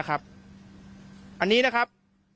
อันนี้นะครับ